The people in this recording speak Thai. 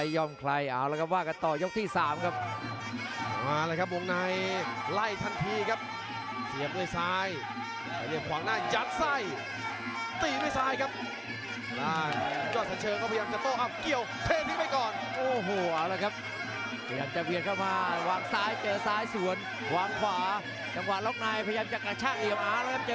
ชาเลนจ์ชาเลนจ์ชาเลนจ์